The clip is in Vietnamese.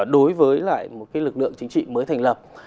đối với lại một lực lượng chính trị mới thành lập